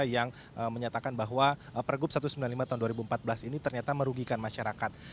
yang menyatakan bahwa pergub satu ratus sembilan puluh lima tahun dua ribu empat belas ini ternyata merugikan masyarakat